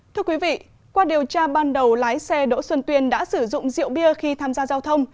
thưa quý vị qua điều tra ban đầu lái xe đỗ xuân tuyên đã sử dụng rượu bia khi tham gia giao thông